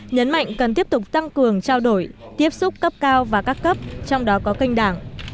nhấn mạnh cần tiếp tục tăng cường trao đổi tiếp xúc cấp cao và các cấp trong đó có kênh đảng